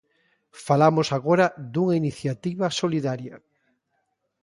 Falamos agora dunha iniciativa solidaria.